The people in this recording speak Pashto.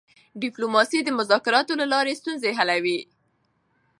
ډیپلوماسي د مذاکراتو له لارې ستونزې حلوي.